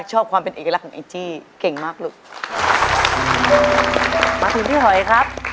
เพราะว่าเพราะว่าเพราะ